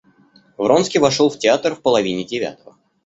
Вронский вошел в театр в половине девятого.